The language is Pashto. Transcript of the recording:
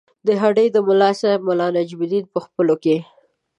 د هډې د ملاصاحب ملا نجم الدین په ځپلو کې.